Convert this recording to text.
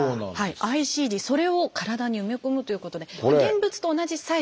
ＩＣＤそれを体に埋め込むということで現物と同じサイズ